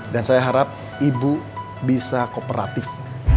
dan saya harap ibu bisa kooperatif